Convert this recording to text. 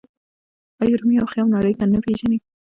آیا رومي او خیام نړۍ نه پیژني؟